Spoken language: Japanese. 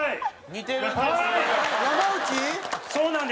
似てるんです。